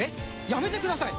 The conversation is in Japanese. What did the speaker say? やめてください。